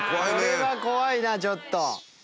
これは怖いなちょっと。